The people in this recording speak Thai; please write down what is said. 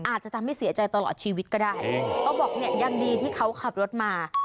อาจจะทำให้เสียใจตลอดชีวิตก็ได้เขาบอกเนี่ยยังดีที่เขาขับรถมา